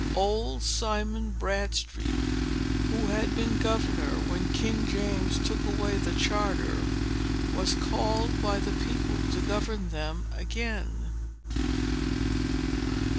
Old Simon Bradstreet, who had been governor, when King James took away the charter, was called by the people to govern them again.